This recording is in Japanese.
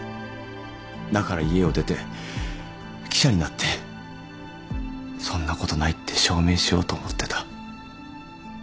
だから家を出て記者になってそんなことないって証明しようと思ってた。